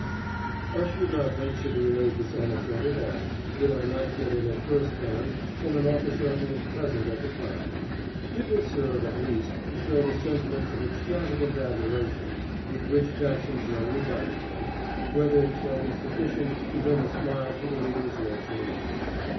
'" I should not venture to relate this anecdote at all, did I not get it at first hands from an officer who was present at the time. It will serve, at least, to show the sentiments of extravagant admiration with which Jackson's men regarded him, whether it shall be sufficient to bring a smile to the reader's lips or not.